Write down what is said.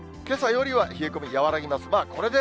けさよりは冷え込み和らぎます。